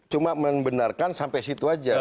cuma membenarkan sampai situ aja